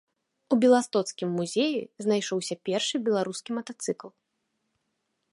У беластоцкім музеі знайшоўся першы беларускі матацыкл.